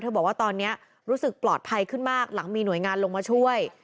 บอกว่าตอนนี้รู้สึกปลอดภัยขึ้นมากหลังมีหน่วยงานลงมาช่วย